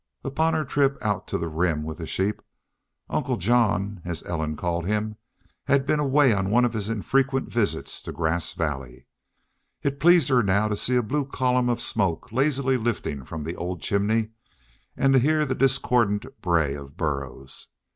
Upon her trip out to the Rim with the sheep, Uncle John, as Ellen called him, had been away on one of his infrequent visits to Grass Valley. It pleased her now to see a blue column of smoke lazily lifting from the old chimney and to hear the discordant bray of burros.